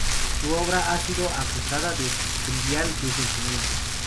Su obra ha sido acusada de trivial desde el comienzo.